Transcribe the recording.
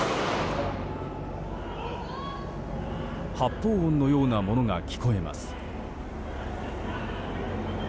発砲音のようなものが聞こえます。